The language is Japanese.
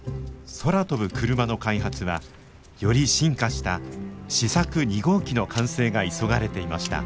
空飛ぶクルマの開発はより進化した試作２号機の完成が急がれていました。